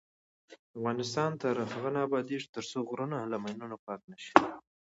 افغانستان تر هغو نه ابادیږي، ترڅو غرونه له ماینونو پاک نشي.